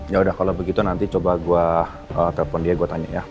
yaudah kalau begitu nanti coba gue telepon dia gue tanya ya